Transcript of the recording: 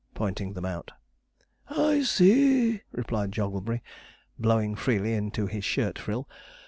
Pointing them out. 'I see,' replied Jogglebury, blowing freely into his shirt frill.